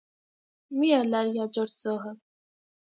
Մի՛ ըլլար յաջորդ զոհը։